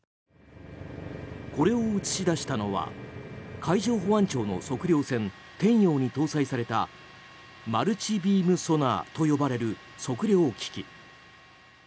これを映し出したのは海上保安庁の測量船「天洋」に搭載されたマルチビームソナーと呼ばれる測量機器。